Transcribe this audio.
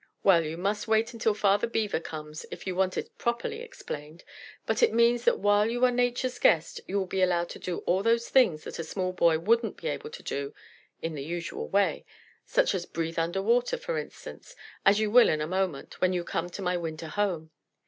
Well, you must wait until Father Beaver comes if you want it properly explained, but it means that while you are Nature's guest you will be able to do all those things that a small boy wouldn't be able to do in the usual way; such as breathe under water, for instance, as you will in a moment, when you come to my winter home.